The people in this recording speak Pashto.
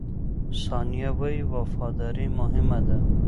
ثانیه وايي، وفاداري مهمه ده.